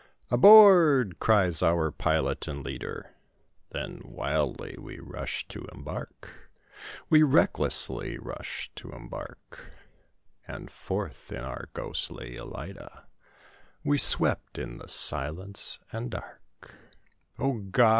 "Aboard!" cries our pilot and leader; Then wildly we rush to embark, We recklessly rush to embark; And forth in our ghostly Ellida[L] We swept in the silence and dark O God!